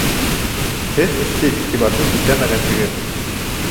Һеҙ эште иғтибарһыҙ үтәмәгәнһегеҙ